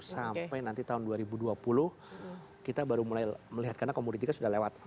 sampai nanti tahun dua ribu dua puluh kita baru mulai melihat karena komoditinya sudah lewat